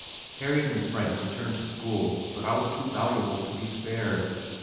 Harriet and Frank returned to school but I was too valuable to be spared.